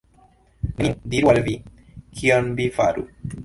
Neniu diru al vi, kion vi faru.